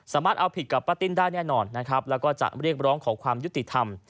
สามารถเอาผิดกับป้าติ๋วได้แน่นอนและจะเรียกร้องของความยุติธรรม